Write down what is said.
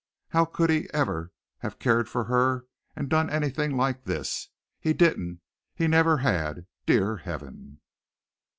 How could he ever have cared for her and done anything like this! He didn't! He never had! Dear Heaven!